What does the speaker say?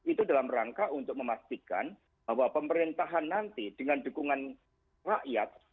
itu dalam rangka untuk memastikan bahwa pemerintahan nanti dengan dukungan rakyat